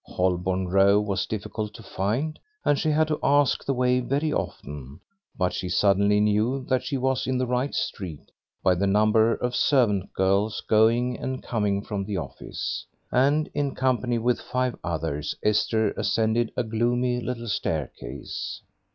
Holborn Row was difficult to find, and she had to ask the way very often, but she suddenly knew that she was in the right street by the number of servant girls going and coming from the office, and in company with five others Esther ascended a gloomy little staircase.